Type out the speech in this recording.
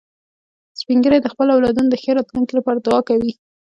سپین ږیری د خپلو اولادونو د ښې راتلونکې لپاره دعا کوي